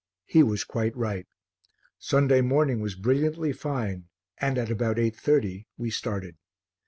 He was quite right; Sunday morning was brilliantly fine, and at about 8.30 we started.